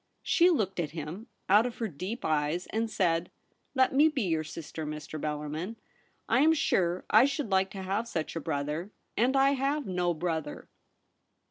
She looked at him out of her deep eyes, and said :' Let me be your sister, Mr. Bellarmin. I am sure I should like to have such a brother; and I have no brother.'